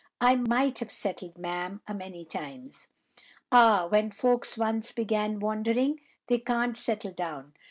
"'I might have settled, ma'am, a many times.' "'Ah, when folks once begin wandering, they can't settle down.